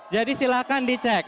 jadi silakan dicek